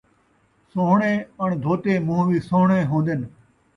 سوہݨے اݨ دھوتے مون٘ہہ وی سوہݨے ہون٘دن